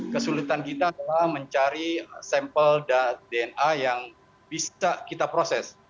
kesulitan kita adalah mencari sampel dna yang bisa kita proses